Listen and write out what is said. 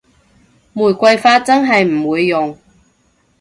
玫瑰花真係唔會用